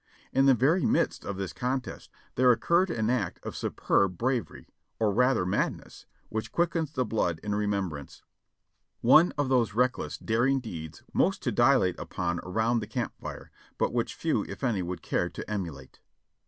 In the very midst of this contest there occurred an act of su perb bravery, or rather madness, which quickens the blood in re membrance ; one of those reckless, daring deeds which soldiers love most to dilate upon around the camp fire, but which few if any would care to emulate.